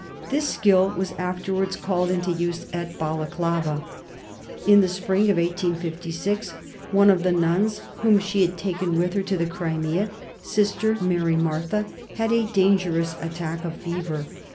This skill was afterwards called into use at Balaclava. In the spring of 1856, one of the nuns whom she had taken with her to the Crimea Sister Mary Martha had a dangerous attack of fever.